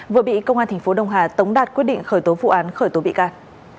vừa bị công an tp đông hà tống đạt quyết định khởi tố vụ án khởi tố bị can